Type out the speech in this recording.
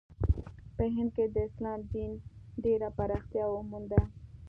په هند کې د اسلام دین ډېره پراختیا ومونده.